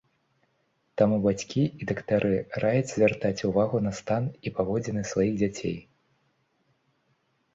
Таму бацькі і дактары раяць звяртаць увагу на стан і паводзіны сваіх дзяцей.